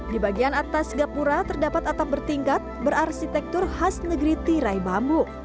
di bagian atas gapura terdapat atap bertingkat berarsitektur khas negeri tirai bambu